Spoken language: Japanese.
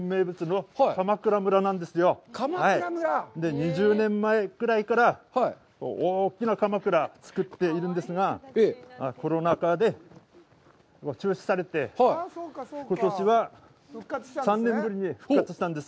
２０年前ぐらいから大きなかまくらを作っているんですが、コロナ禍で中止されて、ことしは３年ぶりに復活したんです。